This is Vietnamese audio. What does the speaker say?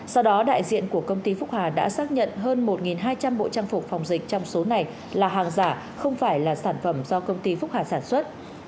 sau đó đại diện của công ty phúc hà đã xác nhận hơn một hai trăm linh bộ trang phục phòng dịch trong số này là hàng giả không phải là sản phẩm do công ty phúc hà sản xuất